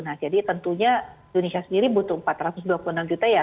nah jadi tentunya indonesia sendiri butuh empat ratus dua puluh enam juta ya